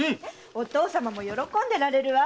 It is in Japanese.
お義父さまも喜んでられるわ。